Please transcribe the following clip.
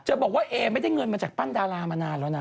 บอกว่าเอไม่ได้เงินมาจากปั้นดารามานานแล้วนะ